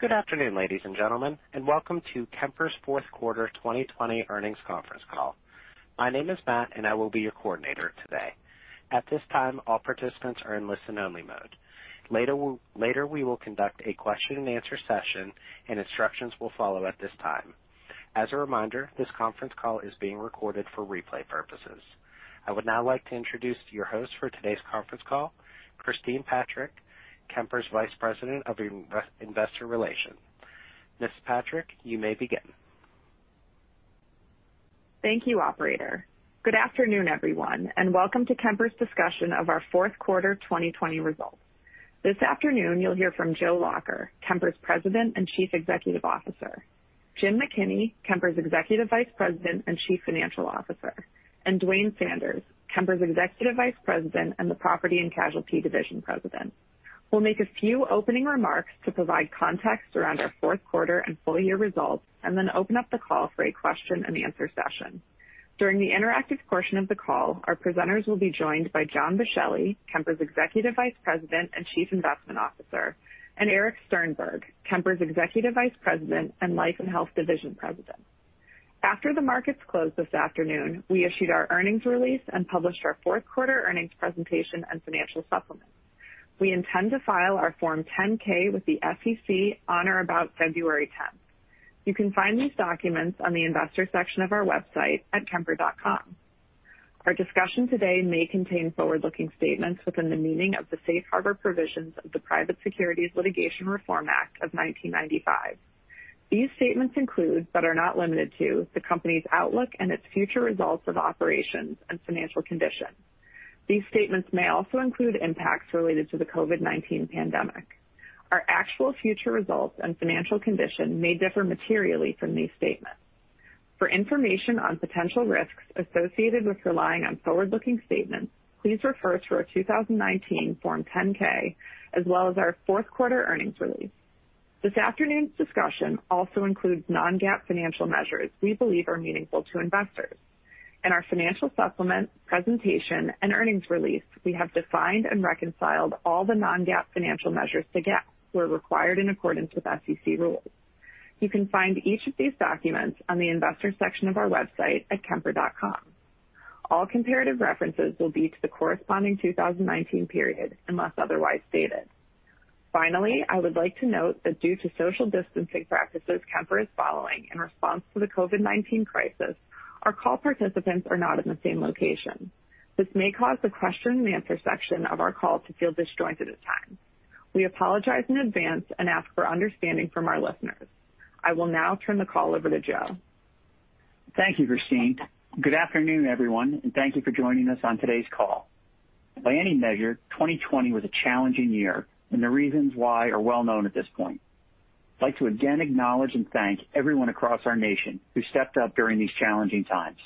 Good afternoon, ladies and gentlemen, and welcome to Kemper's fourth quarter 2020 earnings conference call. My name is Matt, and I will be your coordinator today. At this time, all participants are in listen-only mode. Later, we will conduct a question and answer session, and instructions will follow at this time. As a reminder, this conference call is being recorded for replay purposes. I would now like to introduce your host for today's conference call, Christine Patrick, Kemper's Vice President of Investor Relations. Ms. Patrick, you may begin. Thank you, operator. Good afternoon, everyone, and welcome to Kemper's discussion of our fourth quarter 2020 results. This afternoon, you'll hear from Joe Lacher, Kemper's President and Chief Executive Officer; Jim McKinney, Kemper's Executive Vice President and Chief Financial Officer; and Duane Sanders, Kemper's Executive Vice President and the Property and Casualty Division President. We'll make a few opening remarks to provide context around our fourth quarter and full year results and then open up the call for a question and answer session. During the interactive portion of the call, our presenters will be joined by John Boschelli, Kemper's Executive Vice President and Chief Investment Officer; and Erich Sternberg, Kemper's Executive Vice President and Life and Health Division President. After the markets closed this afternoon, we issued our earnings release and published our fourth quarter earnings presentation and financial supplement. We intend to file our Form 10-K with the SEC on or about February 10th. You can find these documents on the investor section of our website at kemper.com. Our discussion today may contain forward-looking statements within the meaning of the Safe Harbor provisions of the Private Securities Litigation Reform Act of 1995. These statements include, but are not limited to, the company's outlook and its future results of operations and financial condition. These statements may also include impacts related to the COVID-19 pandemic. Our actual future results and financial condition may differ materially from these statements. For information on potential risks associated with relying on forward-looking statements, please refer to our 2019 Form 10-K as well as our fourth quarter earnings release. This afternoon's discussion also includes non-GAAP financial measures we believe are meaningful to investors. In our financial supplement, presentation, and earnings release, we have defined and reconciled all the non-GAAP financial measures to GAAP where required in accordance with SEC rules. You can find each of these documents on the investor section of our website at kemper.com. All comparative references will be to the corresponding 2019 period unless otherwise stated. I would like to note that due to social distancing practices Kemper is following in response to the COVID-19 crisis, our call participants are not in the same location. This may cause the question and answer section of our call to feel disjointed at times. We apologize in advance and ask for understanding from our listeners. I will now turn the call over to Joe. Thank you, Christine. Good afternoon, everyone, and thank you for joining us on today's call. By any measure, 2020 was a challenging year, the reasons why are well known at this point. I'd like to again acknowledge and thank everyone across our nation who stepped up during these challenging times.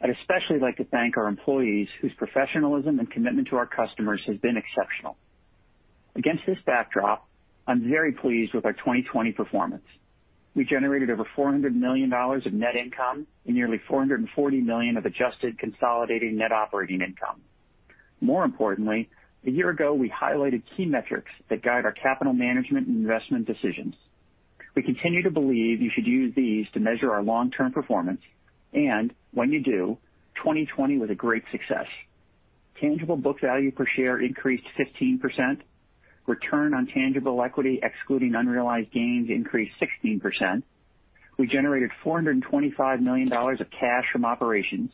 I'd especially like to thank our employees whose professionalism and commitment to our customers has been exceptional. Against this backdrop, I'm very pleased with our 2020 performance. We generated over $400 million of net income and nearly $440 million of adjusted consolidated net operating income. More importantly, a year ago, we highlighted key metrics that guide our capital management and investment decisions. We continue to believe you should use these to measure our long-term performance, and when you do, 2020 was a great success. Tangible book value per share increased 15%, return on tangible equity excluding unrealized gains increased 16%. We generated $425 million of cash from operations,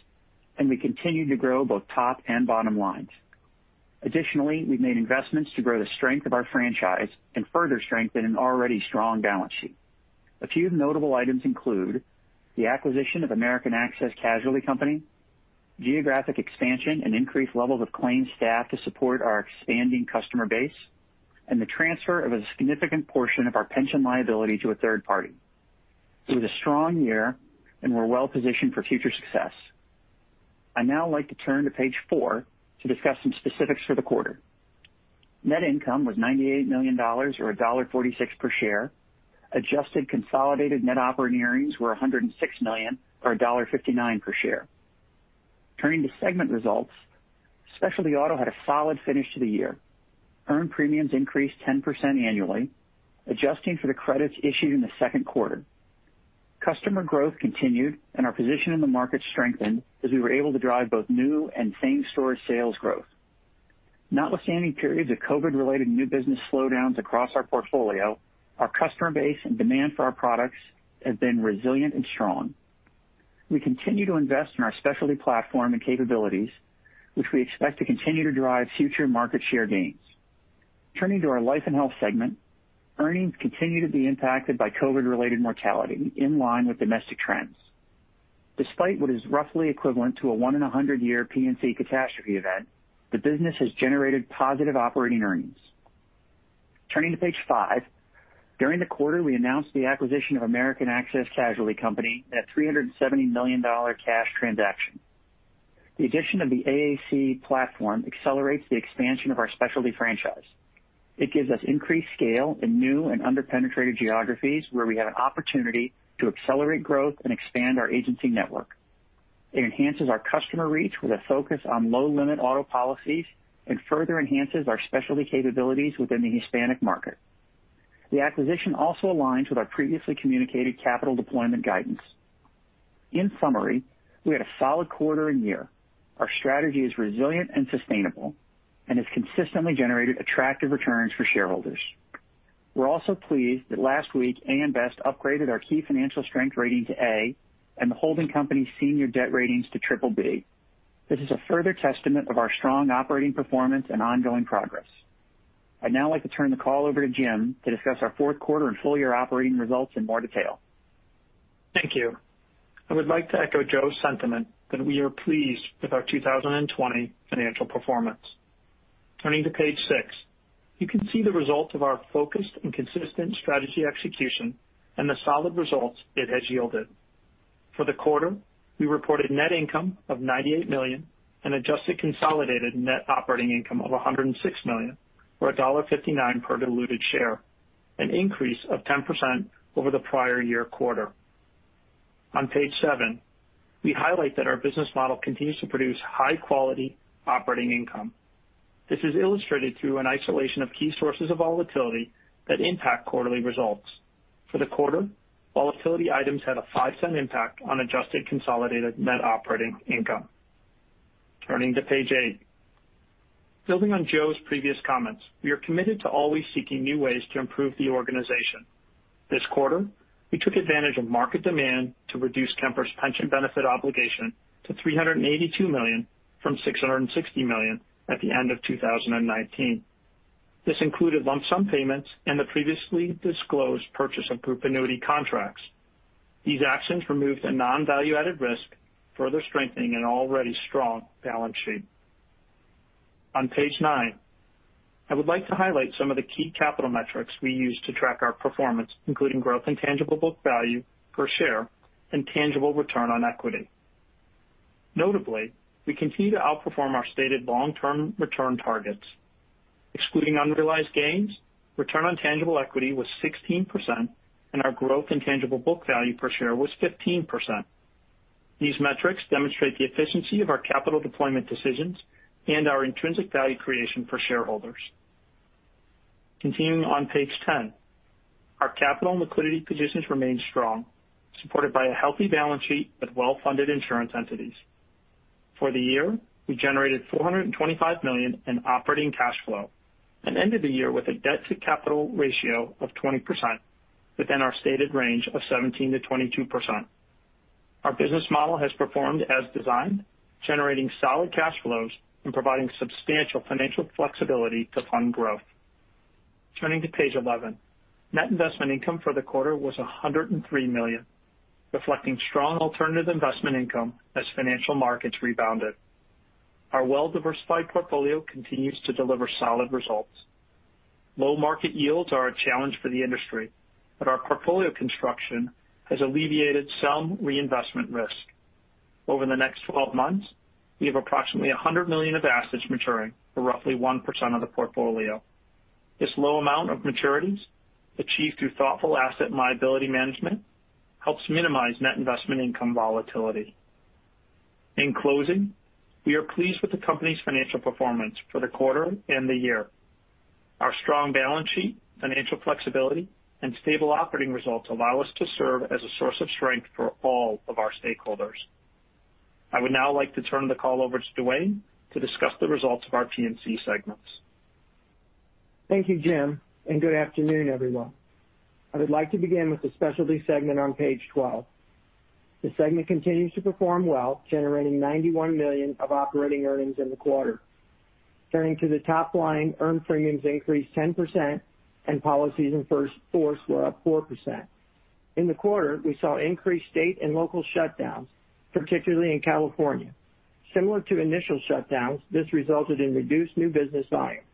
we continued to grow both top and bottom lines. Additionally, we've made investments to grow the strength of our franchise and further strengthen an already strong balance sheet. A few notable items include the acquisition of American Access Casualty Company, geographic expansion, and increased levels of claims staff to support our expanding customer base, and the transfer of a significant portion of our pension liability to a third party. It was a strong year, we're well positioned for future success. I'd now like to turn to page four to discuss some specifics for the quarter. Net income was $98 million, or $1.46 per share. Adjusted consolidated net operating earnings were $106 million, or $1.59 per share. Turning to segment results, Specialty Auto had a solid finish to the year. Earned premiums increased 10% annually, adjusting for the credits issued in the second quarter. Customer growth continued and our position in the market strengthened as we were able to drive both new and same-store sales growth. Notwithstanding periods of COVID-related new business slowdowns across our portfolio, our customer base and demand for our products have been resilient and strong. We continue to invest in our Specialty platform and capabilities, which we expect to continue to drive future market share gains. Turning to our Life & Health segment, earnings continue to be impacted by COVID-related mortality in line with domestic trends. Despite what is roughly equivalent to a one in 100 year P&C catastrophe event, the business has generated positive operating earnings. Turning to page five. During the quarter, we announced the acquisition of American Access Casualty Company at a $370 million cash transaction. The addition of the AAC platform accelerates the expansion of our Specialty franchise. It gives us increased scale in new and under-penetrated geographies where we have an opportunity to accelerate growth and expand our agency network. It enhances our customer reach with a focus on low-limit auto policies and further enhances our Specialty capabilities within the Hispanic market. The acquisition also aligns with our previously communicated capital deployment guidance. In summary, we had a solid quarter and year. Our strategy is resilient and sustainable and has consistently generated attractive returns for shareholders. We're also pleased that last week, AM Best upgraded our key financial strength rating to A and the holding company's senior debt ratings to BBB. This is a further testament of our strong operating performance and ongoing progress. I'd now like to turn the call over to Jim to discuss our fourth quarter and full-year operating results in more detail. Thank you. I would like to echo Joe's sentiment that we are pleased with our 2020 financial performance. Turning to page six, you can see the result of our focused and consistent strategy execution and the solid results it has yielded. For the quarter, we reported net income of $98 million and adjusted consolidated net operating income of $106 million, or $1.59 per diluted share, an increase of 10% over the prior year quarter. On page seven, we highlight that our business model continues to produce high-quality operating income. This is illustrated through an isolation of key sources of volatility that impact quarterly results. For the quarter, volatility items had a $0.05 impact on adjusted consolidated net operating income. Turning to page eight. Building on Joe's previous comments, we are committed to always seeking new ways to improve the organization. This quarter, we took advantage of market demand to reduce Kemper's pension benefit obligation to $382 million from $660 million at the end of 2019. This included lump sum payments and the previously disclosed purchase of group annuity contracts. These actions removed a non-value-added risk, further strengthening an already strong balance sheet. On page nine, I would like to highlight some of the key capital metrics we use to track our performance, including growth in tangible book value per share and return on tangible equity. Notably, we continue to outperform our stated long-term return targets. Excluding unrealized gains, return on tangible equity was 16% and our growth in tangible book value per share was 15%. These metrics demonstrate the efficiency of our capital deployment decisions and our intrinsic value creation for shareholders. Continuing on page 10. Our capital and liquidity positions remain strong, supported by a healthy balance sheet with well-funded insurance entities. For the year, we generated $425 million in operating cash flow and ended the year with a debt-to-capital ratio of 20%, within our stated range of 17%-22%. Our business model has performed as designed, generating solid cash flows and providing substantial financial flexibility to fund growth. Turning to page 11. Net investment income for the quarter was $103 million, reflecting strong alternative investment income as financial markets rebounded. Our well-diversified portfolio continues to deliver solid results. Low market yields are a challenge for the industry, but our portfolio construction has alleviated some reinvestment risk. Over the next 12 months, we have approximately $100 million of assets maturing, or roughly 1% of the portfolio. This low amount of maturities, achieved through thoughtful asset and liability management, helps minimize net investment income volatility. In closing, we are pleased with the company's financial performance for the quarter and the year. Our strong balance sheet, financial flexibility, and stable operating results allow us to serve as a source of strength for all of our stakeholders. I would now like to turn the call over to Duane to discuss the results of our P&C segments. Thank you, Jim, and good afternoon, everyone. I would like to begin with the Specialty segment on page 12. The segment continues to perform well, generating $91 million of operating earnings in the quarter. Turning to the top line, earned premiums increased 10% and policies in force were up 4%. In the quarter, we saw increased state and local shutdowns, particularly in California. Similar to initial shutdowns, this resulted in reduced new business volume.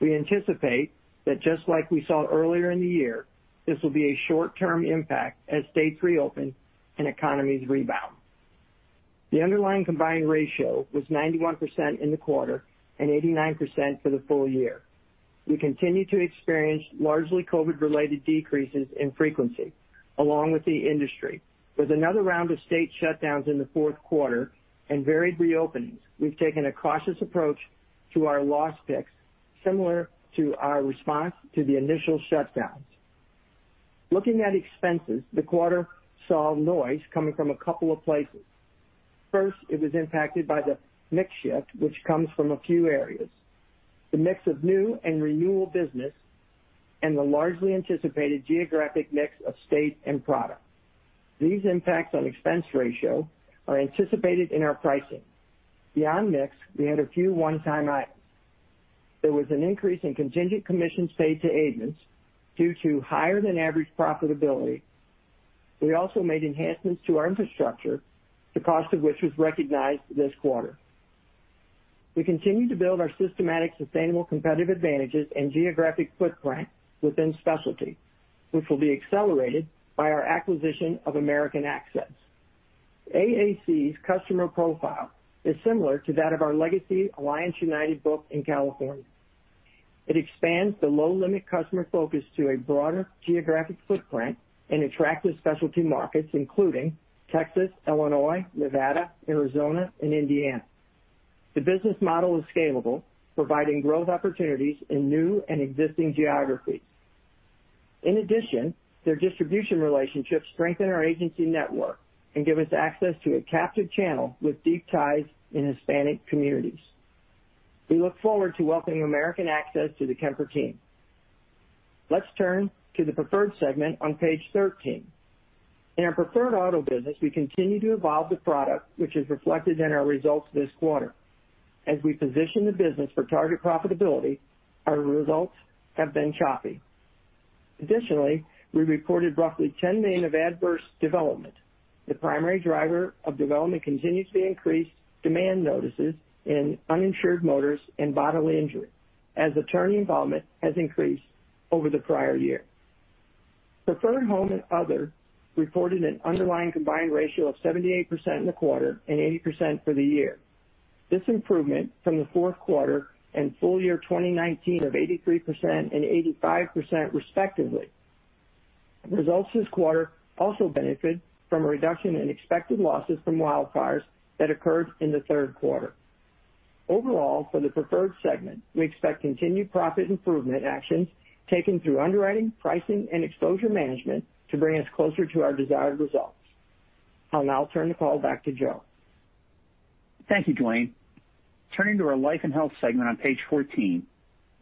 We anticipate that just like we saw earlier in the year, this will be a short-term impact as states reopen and economies rebound. The underlying combined ratio was 91% in the quarter and 89% for the full year. We continue to experience largely COVID-related decreases in frequency, along with the industry. With another round of state shutdowns in the fourth quarter and varied reopenings, we've taken a cautious approach to our loss picks, similar to our response to the initial shutdowns. Looking at expenses, the quarter saw noise coming from a couple of places. First, it was impacted by the mix shift, which comes from a few areas, the mix of new and renewal business, and the largely anticipated geographic mix of state and product. These impacts on expense ratio are anticipated in our pricing. Beyond mix, we had a few one-time items. There was an increase in contingent commissions paid to agents due to higher than average profitability. We also made enhancements to our infrastructure, the cost of which was recognized this quarter. We continue to build our systematic, sustainable competitive advantages and geographic footprint within Specialty, which will be accelerated by our acquisition of American Access. AAC's customer profile is similar to that of our legacy Alliance United book in California. It expands the low-limit customer focus to a broader geographic footprint in attractive Specialty markets, including Texas, Illinois, Nevada, Arizona, and Indiana. The business model is scalable, providing growth opportunities in new and existing geographies. In addition, their distribution relationships strengthen our agency network and give us access to a captive channel with deep ties in Hispanic communities. We look forward to welcoming American Access to the Kemper team. Let's turn to the Preferred segment on page 13. In our Preferred auto business, we continue to evolve the product, which is reflected in our results this quarter. As we position the business for target profitability, our results have been choppy. Additionally, we reported roughly $10 million of adverse development. The primary driver of development continues to be increased demand notices in uninsured motorist and bodily injury, as attorney involvement has increased over the prior year. Preferred home and other reported an underlying combined ratio of 78% in the quarter and 80% for the year. This improvement from the fourth quarter and full year 2019 of 83% and 85% respectively. Results this quarter also benefit from a reduction in expected losses from wildfires that occurred in the third quarter. Overall, for the Preferred segment, we expect continued profit improvement actions taken through underwriting, pricing, and exposure management to bring us closer to our desired results. I'll now turn the call back to Joe. Thank you, Duane. Turning to our Life & Health segment on page 14.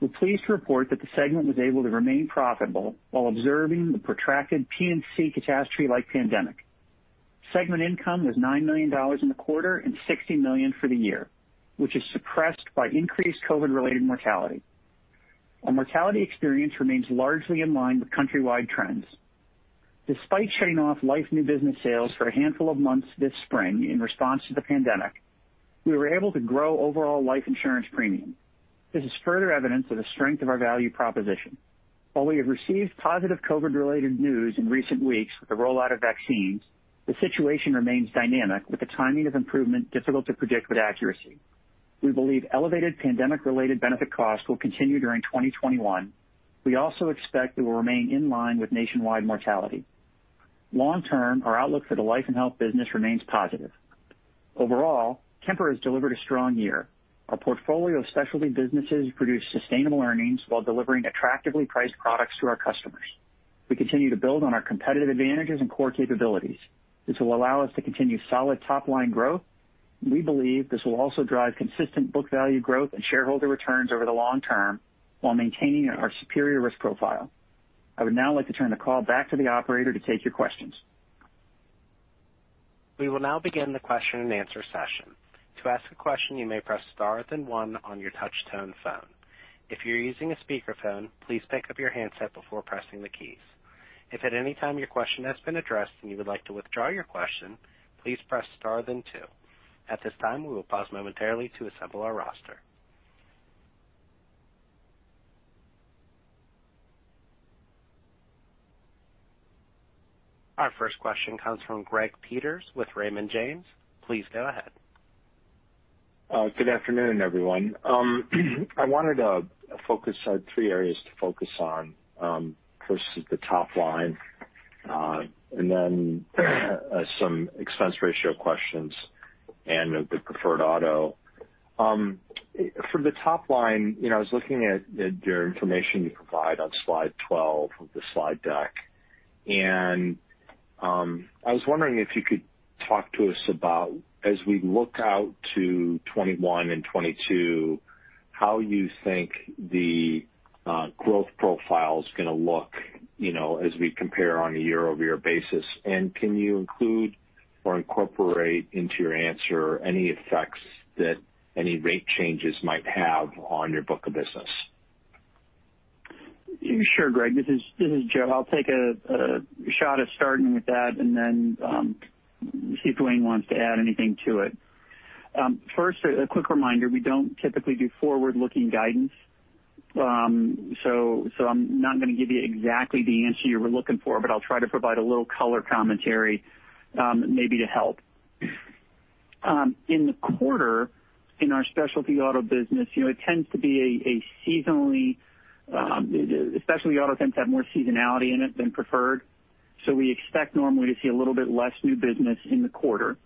We are pleased to report that the segment was able to remain profitable while observing the protracted P&C catastrophe-like pandemic. Segment income was $9 million in the quarter and $16 million for the year, which is suppressed by increased COVID-related mortality. Our mortality experience remains largely in line with countrywide trends. Despite shutting off life new business sales for a handful of months this spring in response to the pandemic, we were able to grow overall life insurance premium. This is further evidence of the strength of our value proposition. While we have received positive COVID-related news in recent weeks with the rollout of vaccines, the situation remains dynamic with the timing of improvement difficult to predict with accuracy. We believe elevated pandemic-related benefit costs will continue during 2021. We also expect it will remain in line with nationwide mortality. Long term, our outlook for the Life & Health business remains positive. Overall, Kemper has delivered a strong year. Our portfolio of Specialty businesses produce sustainable earnings while delivering attractively priced products to our customers. We continue to build on our competitive advantages and core capabilities. This will allow us to continue solid top-line growth. We believe this will also drive consistent book value growth and shareholder returns over the long term while maintaining our superior risk profile. I would now like to turn the call back to the operator to take your questions. We will now begin the question and answer session. To ask a question you may press star then one on your touchtone phone. If you are using a speakerphone, please pick up the headset before pressing the keys. If at anytime your question has been addressed and you would like to withdraw your question, please press star then two. At this time, we will pause momentarily to assemble our roster. Our first question comes from Greg Peters with Raymond James. Please go ahead. Good afternoon, everyone. I wanted three areas to focus on. First is the top line, and then some expense ratio questions and the Preferred auto. From the top line, I was looking at the information you provide on slide 12 of the slide deck, and I was wondering if you could talk to us about, as we look out to 2021 and 2022, how you think the growth profile's going to look as we compare on a year-over-year basis. Can you include or incorporate into your answer any effects that any rate changes might have on your book of business? Sure, Greg. This is Joe, I'll take a shot at starting with that and then see if Duane wants to add anything to it. First, a quick reminder, we don't typically do forward-looking guidance, so I'm not going to give you exactly the answer you were looking for, but I'll try to provide a little color commentary maybe to help. In the quarter, in our Specialty Auto business, Specialty Auto tends to have more seasonality in it than Preferred, so we expect normally to see a little bit less new business in the quarter,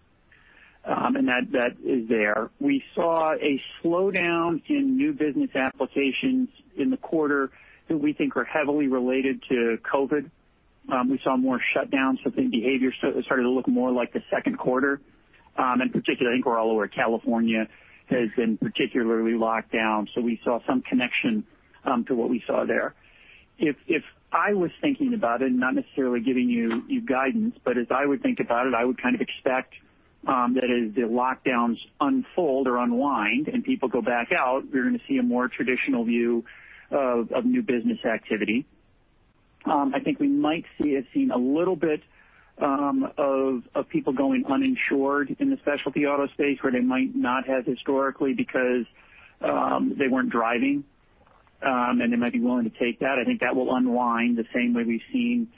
and that is there. We saw a slowdown in new business applications in the quarter that we think are heavily related to COVID-19. We saw more shutdowns, so think behavior started to look more like the second quarter. In particular, I think we're all aware California has been particularly locked down. We saw some connection to what we saw there. If I was thinking about it, not necessarily giving you guidance, as I would think about it, I would kind of expect that as the lockdowns unfold or unwind and people go back out, we're going to see a more traditional view of new business activity. I think we might be seeing a little bit of people going uninsured in the Specialty Auto space where they might not have historically because they weren't driving. They might be willing to take that. I think that will unwind the same way we've seen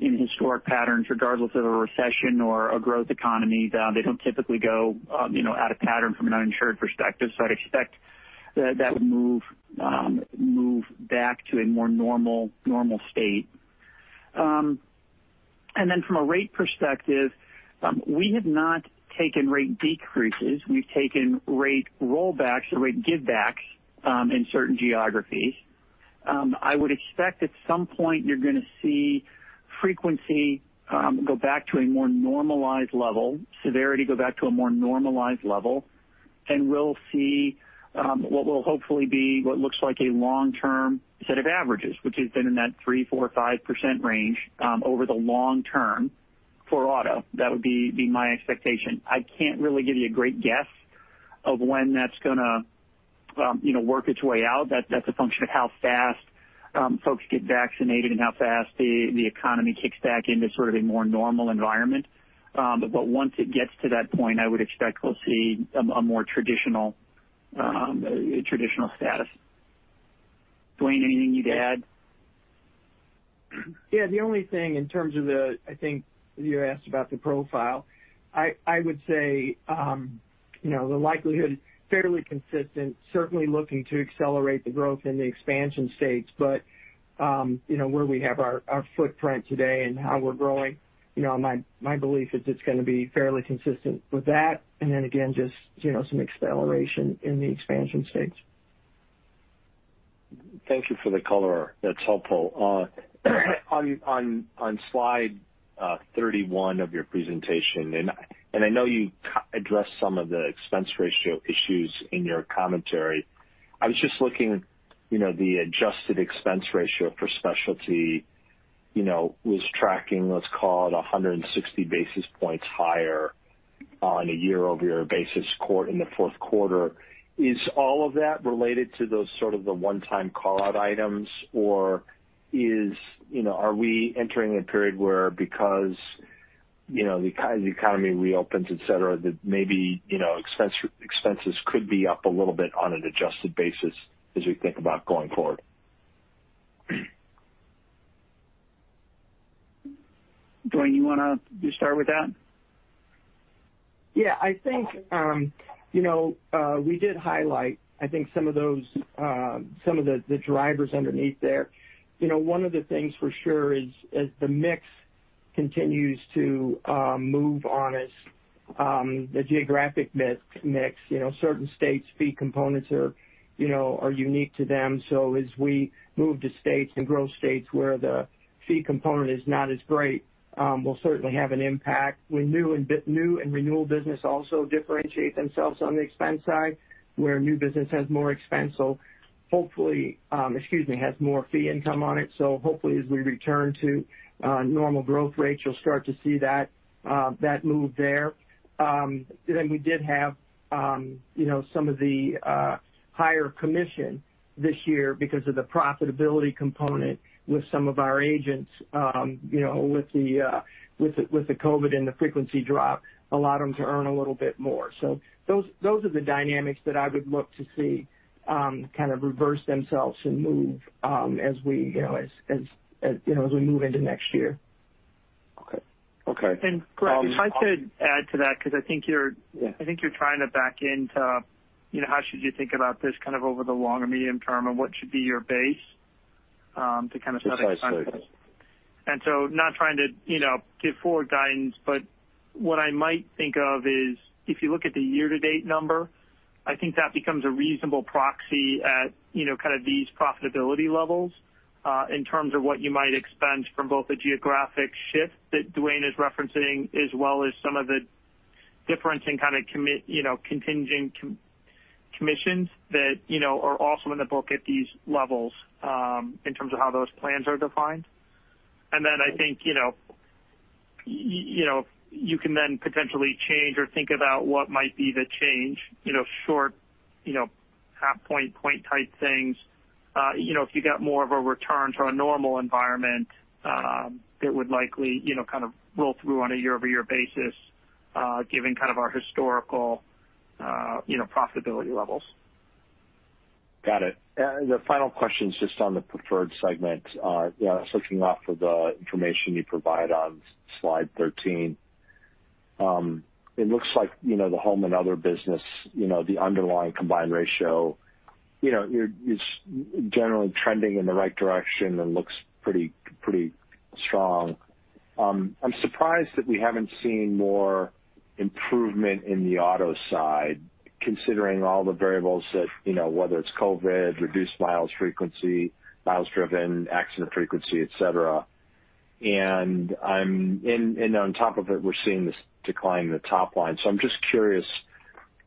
in historic patterns, regardless of a recession or a growth economy. They don't typically go out of pattern from an uninsured perspective, so I'd expect that would move back to a more normal state. From a rate perspective, we have not taken rate decreases. We've taken rate rollbacks or rate give backs in certain geographies. I would expect at some point you're going to see frequency go back to a more normalized level, severity go back to a more normalized level, and we'll see what will hopefully be what looks like a long-term set of averages, which has been in that 3%, 4%, 5% range over the long term for auto. That would be my expectation. I can't really give you a great guess of when that's going to work its way out. That's a function of how fast folks get vaccinated and how fast the economy kicks back into sort of a more normal environment. Once it gets to that point, I would expect we'll see a more traditional status. Duane, anything you'd add? Yeah, the only thing in terms of, I think you asked about the profile. I would say, the likelihood is fairly consistent, certainly looking to accelerate the growth in the expansion states. Where we have our footprint today and how we're growing, my belief is it's going to be fairly consistent with that. Again, just some acceleration in the expansion states. Thank you for the color, that's helpful. On slide 31 of your presentation, I know you addressed some of the expense ratio issues in your commentary. I was just looking, the adjusted expense ratio for Specialty was tracking what's called 160 basis points higher on a year-over-year basis in the fourth quarter. Is all of that related to those sort of the one-time call-out items? Are we entering a period where because the economy reopens, et cetera, that maybe expenses could be up a little bit on an adjusted basis as we think about going forward? Duane, you want to start with that? Yeah, I think we did highlight, I think some of the drivers underneath there. One of the things for sure is as the mix continues to move on its geographic mix, certain states fee components are unique to them. As we move to states and grow states where the fee component is not as great, will certainly have an impact. New and renewal business also differentiate themselves on the expense side, where new business has more fee income on it. Hopefully, as we return to normal growth rates, you'll start to see that move there. We did have some of the higher commission this year because of the profitability component with some of our agents, with the COVID and the frequency drop, allowed them to earn a little bit more. Those are the dynamics that I would look to see kind of reverse themselves and move as we move into next year. Okay. Greg, if I could add to that. Yeah. I think you're trying to back into how should you think about this kind of over the long or medium term, and what should be your base. Precisely. Not trying to give forward guidance, but what I might think of is if you look at the year-to-date number, I think that becomes a reasonable proxy at kind of these profitability levels, in terms of what you might expense from both a geographic shift that Duane is referencing, as well as some of the difference in kind of contingent commissions that are also in the book at these levels, in terms of how those plans are defined. Then I think you can then potentially change or think about what might be the change, short, half point type things. If you got more of a return to a normal environment, it would likely kind of roll through on a year-over-year basis, given kind of our historical profitability levels. Got it. The final question is just on the Preferred segment. Looking off of the information you provide on slide 13. It looks like the home and other business, the underlying combined ratio, is generally trending in the right direction and looks pretty strong. I'm surprised that we haven't seen more improvement in the auto side, considering all the variables that, whether it's COVID, reduced miles frequency, miles driven, accident frequency, et cetera. On top of it, we're seeing this decline in the top line. I'm just curious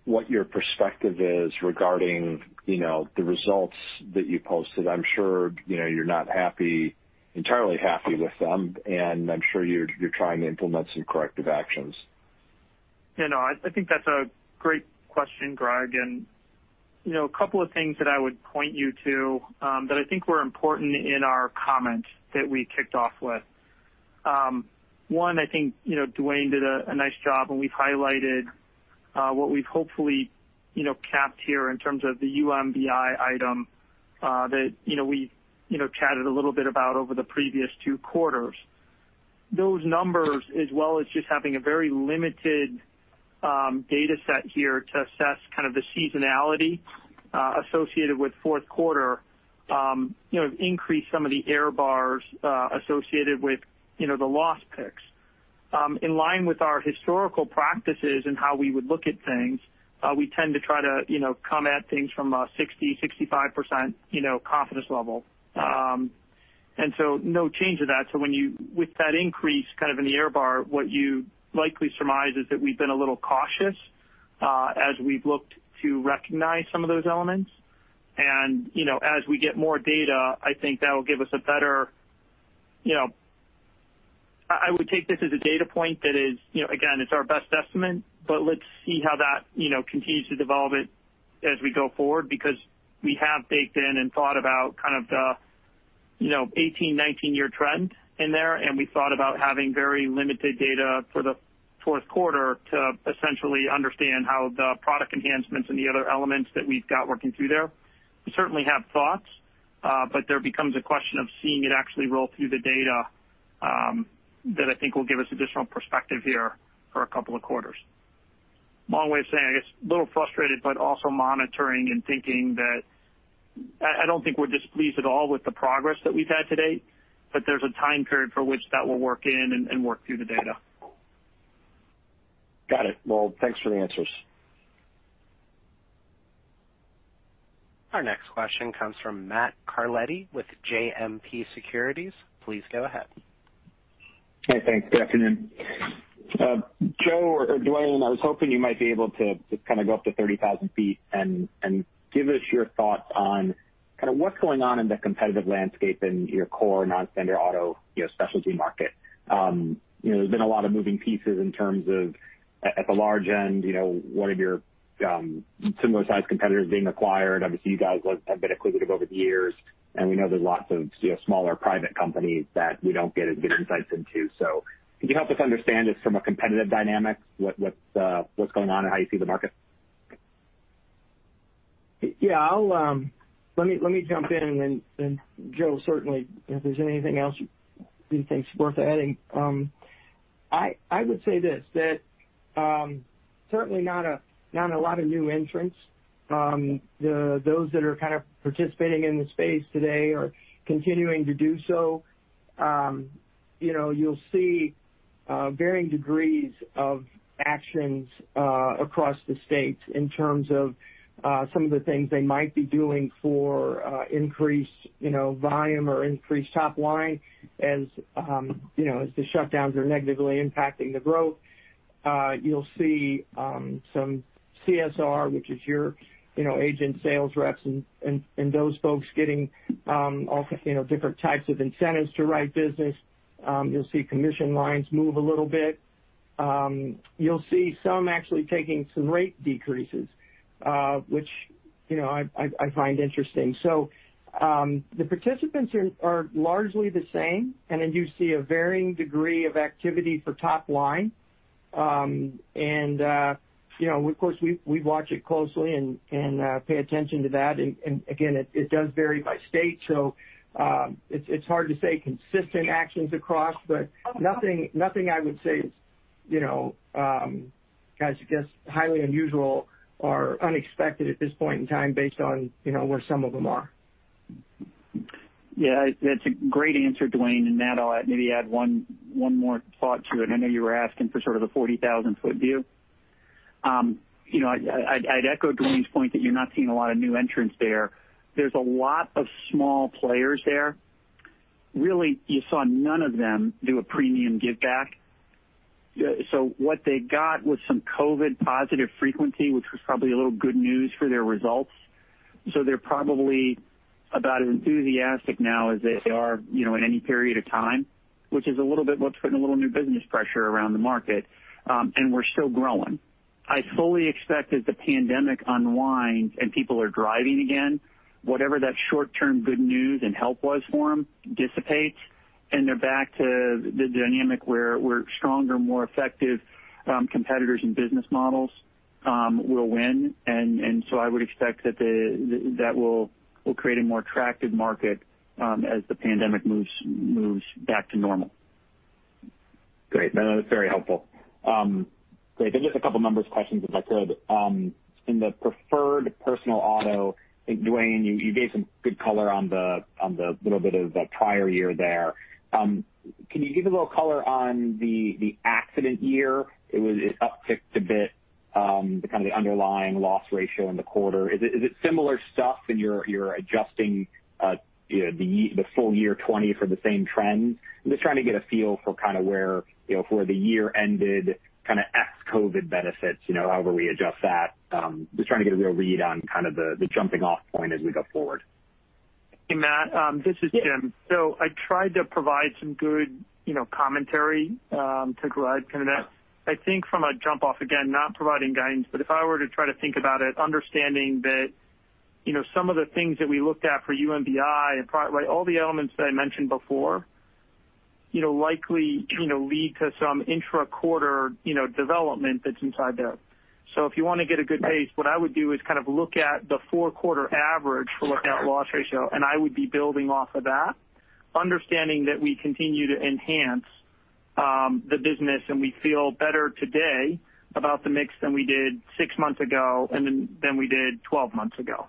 what your perspective is regarding the results that you posted. I'm sure you're not entirely happy with them, and I'm sure you're trying to implement some corrective actions. I think that's a great question, Greg. A couple of things that I would point you to that I think were important in our comment that we kicked off with. One, I think Duane did a nice job and we've highlighted what we've hopefully capped here in terms of the UMBI item that we chatted a little bit about over the previous two quarters. Those numbers, as well as just having a very limited-data set here to assess kind of the seasonality associated with fourth quarter, increase some of the error bars associated with the loss picks. In line with our historical practices and how we would look at things, we tend to try to come at things from a 60%, 65% confidence level. No change of that. With that increase kind of in the error bar, what you likely surmise is that we've been a little cautious as we've looked to recognize some of those elements. As we get more data, I think that'll give us a better. I would take this as a data point that is, again, it's our best estimate, but let's see how that continues to develop as we go forward, because we have baked in and thought about kind of the 18, 19-year trend in there. We thought about having very limited data for the fourth quarter to essentially understand how the product enhancements and the other elements that we've got working through there. We certainly have thoughts, but there becomes a question of seeing it actually roll through the data, that I think will give us additional perspective here for a couple of quarters. Long way of saying, a little frustrated, but also monitoring and thinking that I don't think we're displeased at all with the progress that we've had to date, but there's a time period for which that will work in and work through the data. Got it. Well, thanks for the answers. Our next question comes from Matt Carletti with JMP Securities. Please go ahead. Hey, thanks. Good afternoon. Joe or Duane, I was hoping you might be able to kind of go up to 30,000 ft and give us your thoughts on kind of what's going on in the competitive landscape in your core non-standard auto specialty market. There's been a lot of moving pieces in terms of, at the large end, one of your similar-sized competitors being acquired. Obviously, you guys have been acquisitive over the years, and we know there's lots of smaller private companies that we don't get as good insights into. Can you help us understand this from a competitive dynamic, what's going on and how you see the market? Yeah. Let me jump in, and then Joe, certainly, if there's anything else you think's worth adding. I would say this, that certainly not a lot of new entrants. Those that are kind of participating in the space today are continuing to do so. You'll see varying degrees of actions across the states in terms of some of the things they might be doing for increased volume or increased top line as the shutdowns are negatively impacting the growth. You'll see some CSR, which is your agent sales reps and those folks getting all different types of incentives to write business. You'll see commission lines move a little bit, you'll see some actually taking some rate decreases, which I find interesting. The participants are largely the same. You see a varying degree of activity for top line. Of course, we watch it closely and pay attention to that. Again, it does vary by state, so it's hard to say consistent actions across, but nothing I would say is I guess highly unusual or unexpected at this point in time based on where some of them are. Yeah, that's a great answer, Duane. Matt, I'll maybe add one more thought to it. I know you were asking for sort of the 40,000 ft view. I'd echo Duane's point that you're not seeing a lot of new entrants there. There's a lot of small players there. Really, you saw none of them do a premium give back. What they got was some COVID positive frequency, which was probably a little good news for their results. They're probably about as enthusiastic now as they are in any period of time, which is a little bit what's putting a little new business pressure around the market, and we're still growing. I fully expect as the pandemic unwinds and people are driving again, whatever that short-term good news and help was for them dissipates, and they're back to the dynamic where stronger, more effective competitors and business models will win. I would expect that will create a more attractive market as the pandemic moves back to normal. Just a couple numbers questions, if I could. In the Preferred personal auto, I think, Duane, you gave some good color on the little bit of the prior year there. Can you give a little color on the accident year? It upticked a bit, the kind of the underlying loss ratio in the quarter. Is it similar stuff when you're adjusting the full year 2020 for the same trend? I'm just trying to get a feel for kind of where the year ended, kind of ex-COVID benefits, however we adjust that. Just trying to get a real read on kind of the jumping off point as we go forward. Hey, Matt, this is Jim. I tried to provide some good commentary to glide kind of that. I think from a jump-off, again, not providing guidance, but if I were to try to think about it, understanding that some of the things that we looked at for UMBI and probably all the elements that I mentioned before likely lead to some intra-quarter development that's inside the. If you want to get a good base, what I would do is look at the four-quarter average for loss ratio, and I would be building off of that, understanding that we continue to enhance the business, and we feel better today about the mix than we did six months ago and than we did 12 months ago.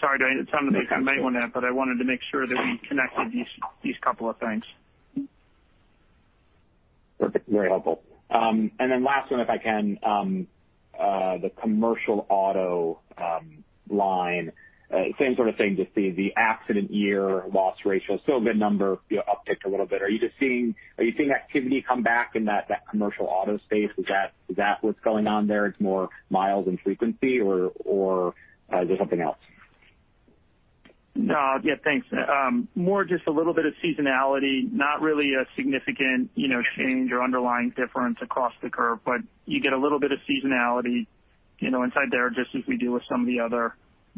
Sorry, Duane, it sounded like you might want to, but I wanted to make sure that we connected these couple of things. Perfect. Very helpful. Then last one, if I can, the commercial auto line, same sort of thing, just the accident year loss ratio. Still a good number, upticked a little bit. Are you seeing activity come back in that commercial auto space? Is that what's going on there? It's more miles and frequency or is there something else? Yeah, thanks. More just a little bit of seasonality, not really a significant change or underlying difference across the curve, but you get a little bit of seasonality inside there, just as we do with some of the other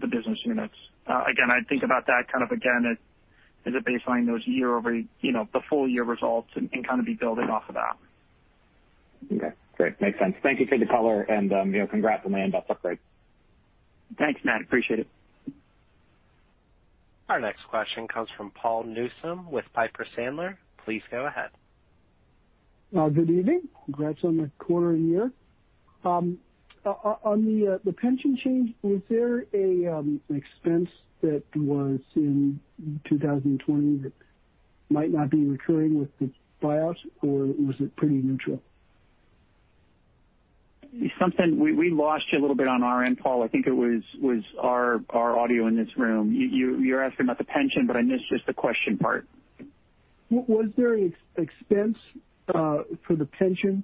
business units. Again, I'd think about that as a baseline, those year-over-year, the full-year results, and be building off of that. Okay, great. Makes sense. Thank you for the color and congrats on the AM Best upgrade. Thanks, Matt. Appreciate it. Our next question comes from Paul Newsome with Piper Sandler. Please go ahead. Good evening. Congrats on the quarter year. On the pension change, was there an expense that was in 2020 that might not be recurring with the buyout, or was it pretty neutral? We lost you a little bit on our end, Paul. I think it was our audio in this room. You're asking about the pension, but I missed just the question part. Was there an expense for the pension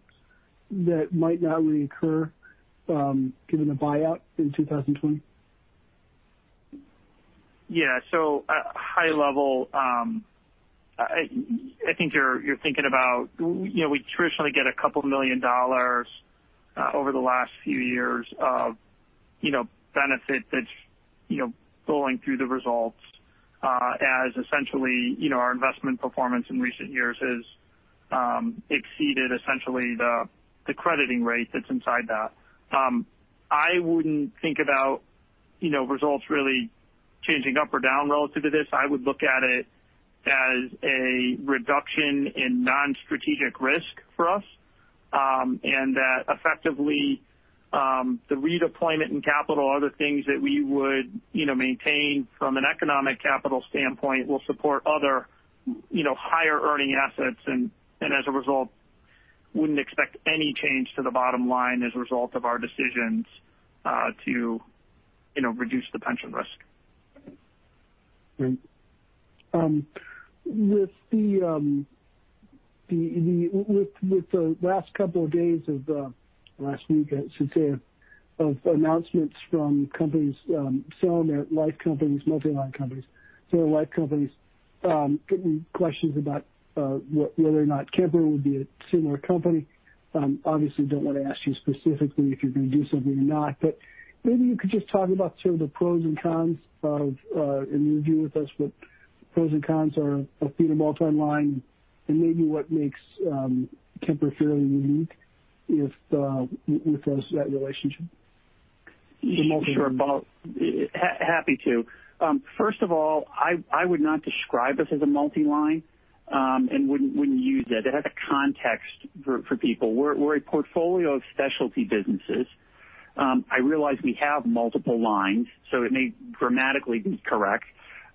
that might not reoccur given the buyout in 2020? Yeah. At a high level, I think you're thinking about how we traditionally get a couple million dollars over the last few years of benefit that's going through the results as essentially our investment performance in recent years has exceeded essentially the crediting rate that's inside that. I wouldn't think about results really changing up or down relative to this. I would look at it as a reduction in non-strategic risk for us, and that effectively the redeployment in capital are the things that we would maintain from an economic capital standpoint will support other higher-earning assets and as a result, wouldn't expect any change to the bottom line as a result of our decisions to reduce the pension risk. Great. With the last couple of days of last week, I should say, of announcements from companies selling their life companies, multi-line companies, getting questions about whether or not Kemper would be a similar company. Obviously, don't want to ask you specifically if you're going to do something or not, but maybe you could just talk about some of the pros and cons in review with us, what the pros and cons are of being a multi-line and maybe what makes Kemper fairly unique with that relationship. Happy to. First of all, I would not describe us as a multi-line, and wouldn't use that. It has a context for people. We're a portfolio of Specialty businesses. I realize we have multiple lines, so it may grammatically be correct.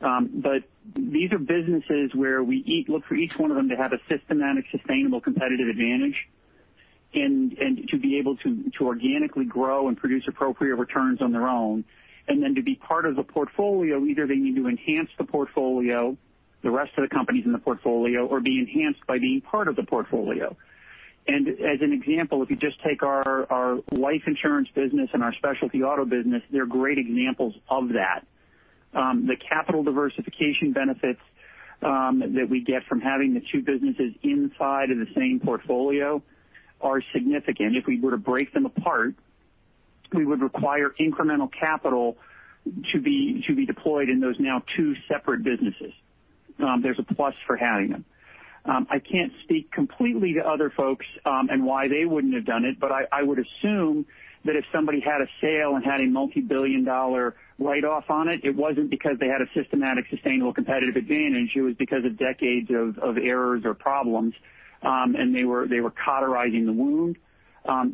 These are businesses where we look for each one of them to have a systematic, sustainable competitive advantage and to be able to organically grow and produce appropriate returns on their own. To be part of the portfolio, either they need to enhance the portfolio, the rest of the companies in the portfolio, or be enhanced by being part of the portfolio. As an example, if you just take our Life & Health business and our Specialty Auto business, they're great examples of that. The capital diversification benefits that we get from having the two businesses inside of the same portfolio are significant. If we were to break them apart, we would require incremental capital to be deployed in those now two separate businesses. There's a plus for having them. I can't speak completely to other folks and why they wouldn't have done it, but I would assume that if somebody had a sale and had a multi-billion-dollar write-off on it wasn't because they had a systematic, sustainable competitive advantage. It was because of decades of errors or problems, and they were cauterizing the wound.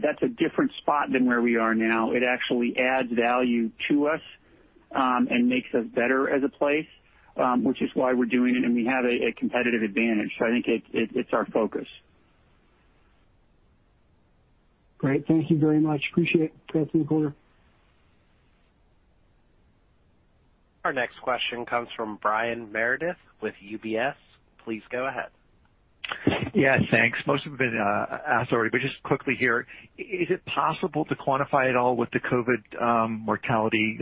That's a different spot than where we are now. It actually adds value to us and makes us better as a place, which is why we're doing it, and we have a competitive advantage. I think it's our focus. Great. Thank you very much. Appreciate it. Congrats on the quarter. Our next question comes from Brian Meredith with UBS. Please go ahead. Yeah, thanks. Most have been asked already, but just quickly here, is it possible to quantify at all what the COVID mortality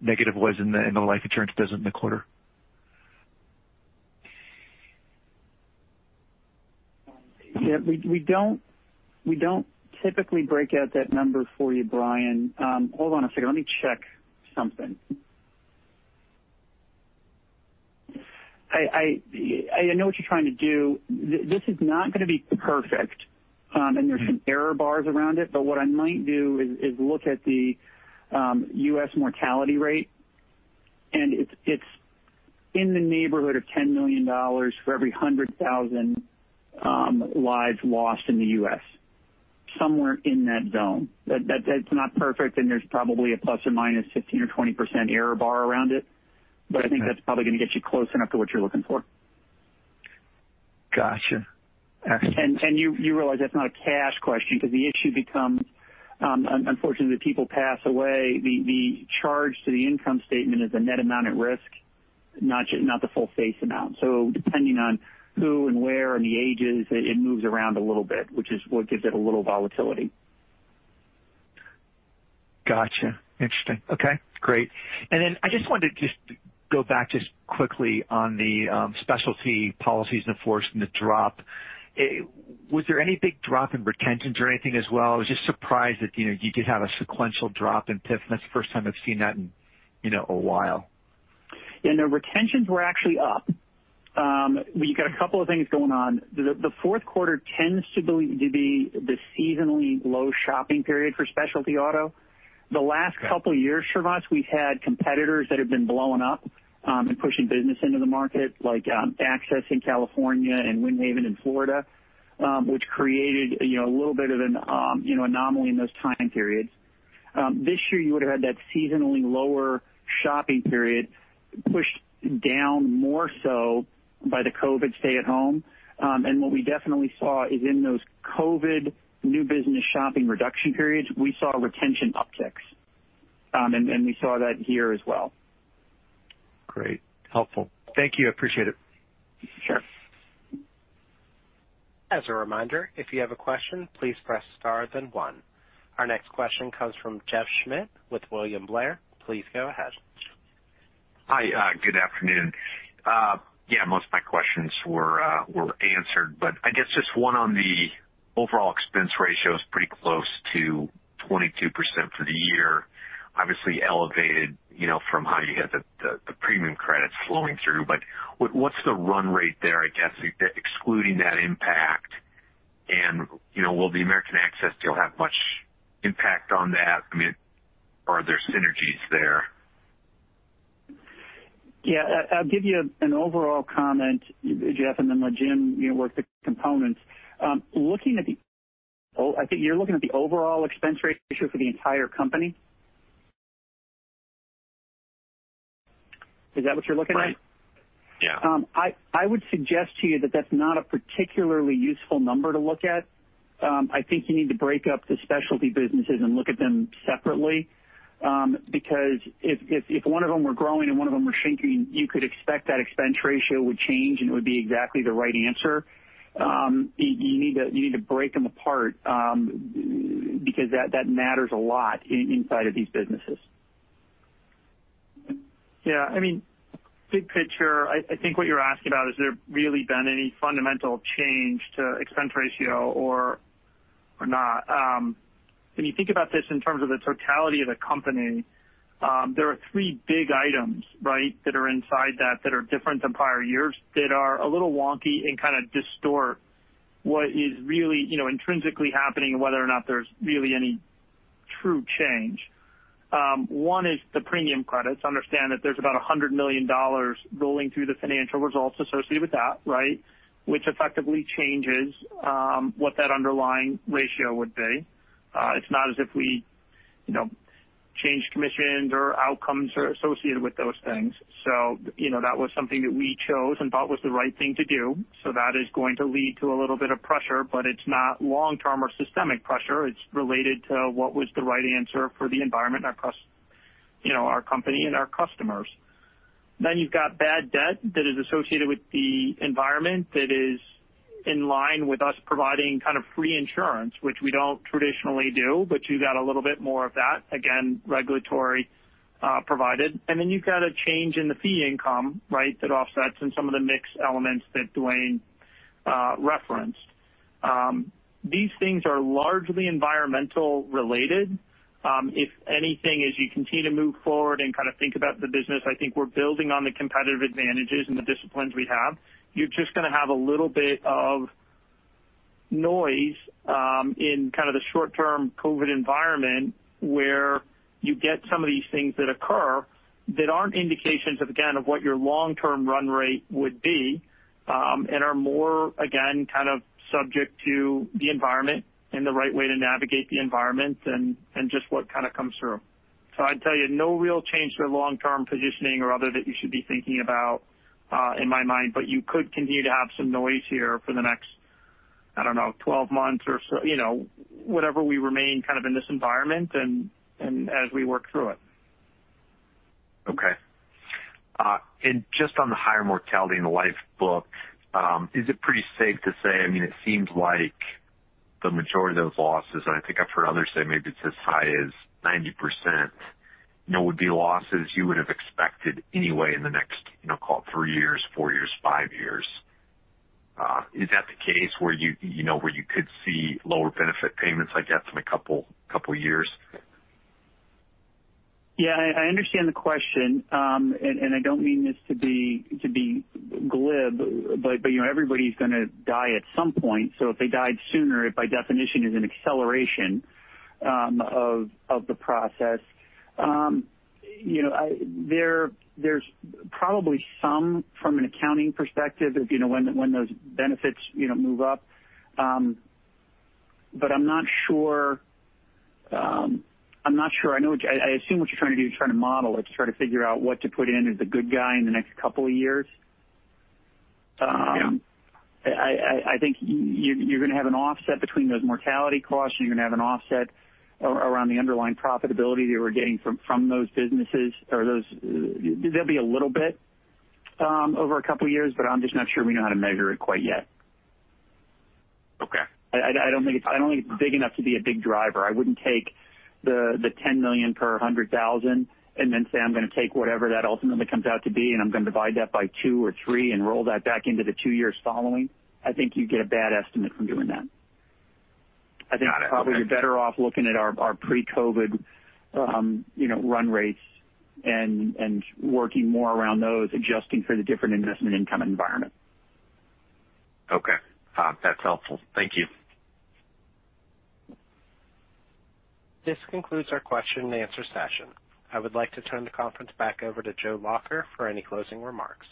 negative was in the life insurance business in the quarter? Yeah, we don't typically break out that number for you, Brian. Hold on a second, let me check something. I know what you're trying to do. This is not going to be perfect, and there's some error bars around it, but what I might do is look at the U.S. mortality rate, and it's in the neighborhood of $10 million for every 100,000 lives lost in the U.S., somewhere in that zone. That's not perfect, and there's probably a ±15% or 20% error bar around it. Okay. I think that's probably going to get you close enough to what you're looking for. Got you. Excellent. You realize that's not a cash question because the issue becomes, unfortunately, the people pass away, the charge to the income statement is a net amount at risk, not the full face amount. Depending on who and where and the ages, it moves around a little bit, which is what gives it a little volatility. Got you, interesting. Okay, great. I just wanted to just go back just quickly on the Specialty policies in force and the drop. Was there any big drop in retentions or anything as well? I was just surprised that you did have a sequential drop in PIF. That's the first time I've seen that in a while. Yeah, no, retentions were actually up. We got a couple of things going on. The fourth quarter tends to be the seasonally low shopping period for Specialty Auto. The last couple of years, [Shervaughn], we've had competitors that have been blowing up and pushing business into the market like Access in California and Windhaven in Florida, which created a little bit of an anomaly in those time periods. This year, you would've had that seasonally lower shopping period pushed down more so by the COVID stay at home. What we definitely saw is in those COVID new business shopping reduction periods, we saw retention upticks. We saw that here as well. Great, helpful. Thank you, I appreciate it. Sure. As a reminder, if you have a question, please press star then one. Our next question comes from Jeff Schmitt with William Blair. Please go ahead. Hi, good afternoon. I guess just one on the overall expense ratio is pretty close to 22% for the year, obviously elevated from how you had the premium credit flowing through. What's the run rate there, I guess, excluding that impact? Will the American Access deal have much impact on that? Are there synergies there? Yeah. I'll give you an overall comment, Jeff, and then let Jim work the components. I think you're looking at the overall expense ratio for the entire company. Is that what you're looking at? Right. Yeah. I would suggest to you that that's not a particularly useful number to look at. I think you need to break up the Specialty businesses and look at them separately. If one of them were growing and one of them were shrinking, you could expect that expense ratio would change, and it would be exactly the right answer. You need to break them apart because that matters a lot inside of these businesses. Yeah. Big picture, I think what you're asking about, has there really been any fundamental change to expense ratio or not? When you think about this in terms of the totality of the company, there are three big items that are inside that are different than prior years that are a little wonky and kind of distort what is really intrinsically happening and whether or not there's really any true change. One is the premium credits. Understand that there's about $100 million rolling through the financial results associated with that, which effectively changes what that underlying ratio would be. It's not as if we change commissions or outcomes associated with those things. That was something that we chose and thought was the right thing to do. That is going to lead to a little bit of pressure, but it's not long-term or systemic pressure. It's related to what was the right answer for the environment and our company and our customers. You've got bad debt that is associated with the environment that is in line with us providing kind of free insurance, which we don't traditionally do, but you got a little bit more of that, again, regulatory provided. You've got a change in the fee income that offsets and some of the mix elements that Duane referenced. These things are largely environmental related. If anything, as you continue to move forward and kind of think about the business, I think we're building on the competitive advantages and the disciplines we have. You're just going to have a little bit of noise in kind of the short-term COVID environment where you get some of these things that occur that aren't indications of, again, of what your long-term run rate would be, and are more, again, kind of subject to the environment and the right way to navigate the environment and just what kind of comes through. I'd tell you, no real change to the long-term positioning or other that you should be thinking about in my mind, but you could continue to have some noise here for the next, I don't know, 12 months or so, whatever we remain kind of in this environment and as we work through it. Okay. Just on the higher mortality in the life book, is it pretty safe to say, it seems like the majority of those losses, and I think I've heard others say maybe it's as high as 90%, would be losses you would've expected anyway in the next call it three years, four years, five years. Is that the case where you could see lower benefit payments, I guess, in a couple years? Yeah. I understand the question, and I don't mean this to be glib, but everybody's going to die at some point. If they died sooner, it by definition is an acceleration of the process. There's probably some from an accounting perspective of when those benefits move up, but I'm not sure. I assume what you're trying to do, you're trying to model it to try to figure out what to put in as a good guy in the next couple of years. Yeah. I think you're going to have an offset between those mortality costs, and you're going to have an offset around the underlying profitability that we're getting from those businesses. There'll be a little bit over a couple of years, but I'm just not sure we know how to measure it quite yet. Okay. I don't think it's big enough to be a big driver. I wouldn't take the $10 million per 100,000 and then say I'm going to take whatever that ultimately comes out to be, and I'm going to divide that by two or three and roll that back into the two years following. I think you'd get a bad estimate from doing that. Got it. Okay. I think probably you're better off looking at our pre-COVID run rates and working more around those, adjusting for the different investment income environment. Okay, that's helpful. Thank you. This concludes our question and answer session. I would like to turn the conference back over to Joe Lacher for any closing remarks.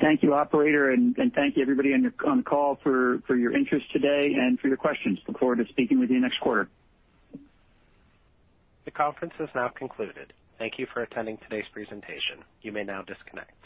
Thank you, operator, and thank you everybody on the call for your interest today and for your questions. Look forward to speaking with you next quarter. The conference has now concluded. Thank you for attending today's presentation. You may now disconnect.